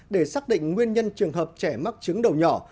để xác định nguyên nhân trường hợp trẻ mắc chứng đầu nhỏ